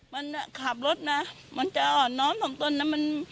มันขับรถนะมันจะอ่อนน้อมสองตนนะ